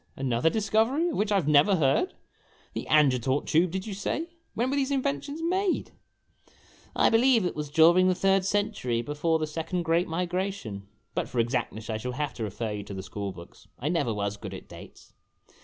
Another discovery of which I have never heard? The Angertort Tube, did you say? When were these inventions made ?" A LOST OPPORTUNITY Si " I believe it was during the third century, before the second great Migration, but for exactness I shall have to refer you to the school books. I never was good at dates.